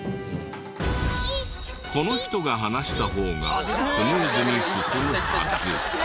この人が話した方がスムーズに進むはず。